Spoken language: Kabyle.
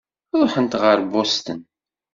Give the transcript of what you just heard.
Ṛuḥent ɣer Boston.